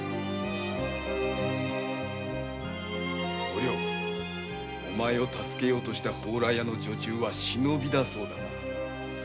お涼お前を助けようとした蓬莱屋の女中は忍びだそうだな。